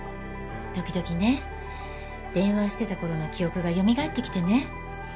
時々ね電話してた頃の記憶がよみがえってきてね